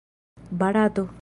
barato